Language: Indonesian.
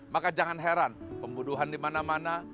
maka jangan heran pembunuhan dimana mana